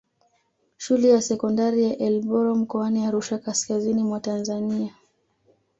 Shule ya sekondari ya Elboro mkoani Arusha kaskazini mwa Tanzania